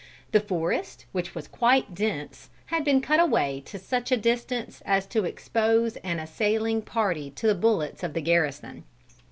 The forest, which was quite dense, had been cut away to such a distance as to expose an assailing party to the bullets of the garrison.